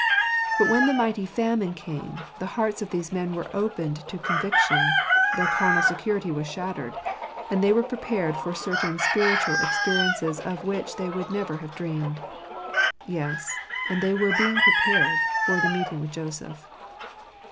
But when the mighty famine came, the hearts of these men were opened to conviction ; their carnal security was shattered ; and they were prepared for certain spiritual expe riences of which they would never have dreamed. Yes ; and they were being prepared for the meeting with Joseph.